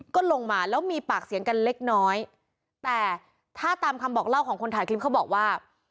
ก็ลงมาแล้วมีปากเสียงกันเล็กน้อยแต่ถ้าตามคำบอกเล่าของคนถ่ายคลิปเขาบอกว่า